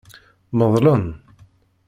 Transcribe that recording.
Medlen.